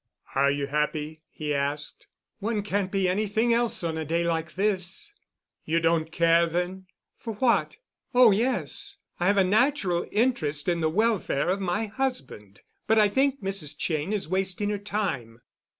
"Are you happy?" he asked. "One can't be anything else on a day like this." "You don't care then?" "For what? Oh, yes. I have a natural interest in the welfare of my husband. But I think Mrs. Cheyne is wasting her time."